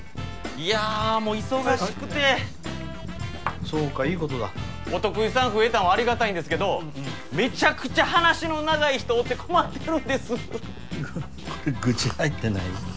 いやもう忙しくてはいはいそうかいいことだお得意さん増えたのはありがたいんですけどめちゃくちゃ話の長い人おって困ってるんですこれグチ入ってない？